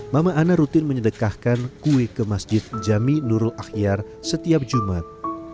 mama ana rutin menyedekahkan kue ke masjid jami nurul ahyar setiap jumat